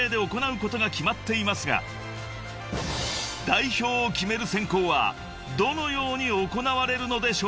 ［代表を決める選考はどのように行われるのでしょうか？］